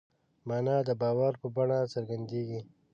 مانا د باور په بڼه څرګندېږي.